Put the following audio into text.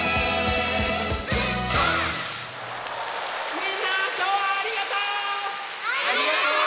みんなきょうはありがとう！